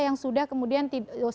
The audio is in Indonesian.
yang sudah kemudian